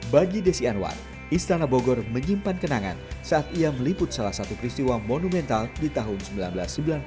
bagi desi anwar istana bogor menyimpan kenangan saat ia meliput salah satu peristiwa monumental di tahun seribu sembilan ratus sembilan puluh sembilan